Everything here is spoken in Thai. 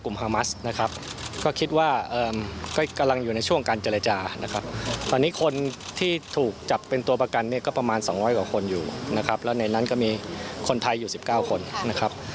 และในนั้นก็มีคนไทยอยู่๑๙คนนะครับ